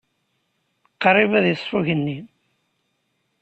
Qrib ad yeṣfu yigenni.